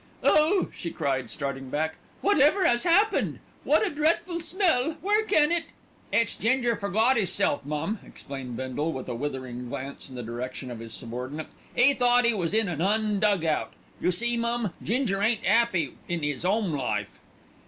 "Oh!" she cried, starting back, "whathever 'as 'appened? What a dreadful smell! Where can it " "It's Ginger forgot 'isself, mum," explained Bindle, with a withering glance in the direction of his subordinate. "'E thought 'e was in an 'Un dug out. You see, mum, Ginger ain't 'appy in 'is 'ome life."